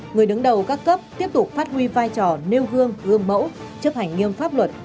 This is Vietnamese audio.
người đứng đầu các cấp tiếp tục phát huy vai trò nêu gương gương mẫu chấp hành nghiêm pháp luật